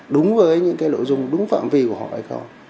đúng với những nội dung đúng phạm vị của họ hay không